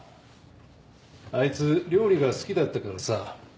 あいつ料理が好きだったからさ